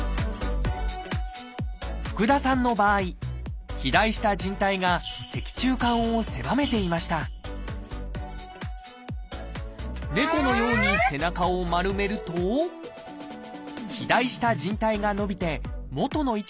福田さんの場合肥大したじん帯が脊柱管を狭めていました猫のように背中を丸めると肥大したじん帯が伸びて元の位置に戻ります。